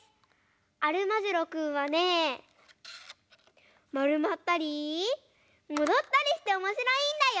アルマジロくんはねまるまったりもどったりしておもしろいんだよ！